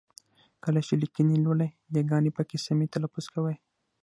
کله چې لیکني لولئ ی ګاني پکې سمې تلفظ کوئ!